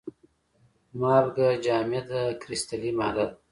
مالګه جامده کرستلي ماده ده.